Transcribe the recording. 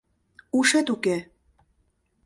Ушет уке.